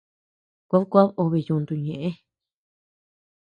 Kuéd kuad obe yúntu ñëʼe.